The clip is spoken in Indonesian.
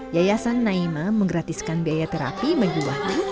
yayasan naima menggratiskan biaya terapi menjualnya